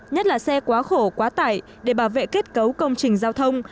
nhất là xe quá khổ quá tải để bảo vệ kết cấu công trình giao thông